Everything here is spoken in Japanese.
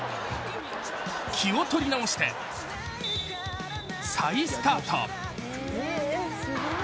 気を取り直して、再スタート。